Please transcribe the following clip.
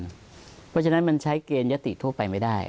เพราะฉะนั้นมันใช้เกณฑ์ยติทั่วไปไม่ได้